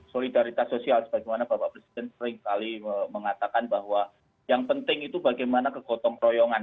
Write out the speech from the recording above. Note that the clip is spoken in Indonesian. solidaritas sosial sebagaimana bapak presiden seringkali mengatakan bahwa yang penting itu bagaimana kegotong royongan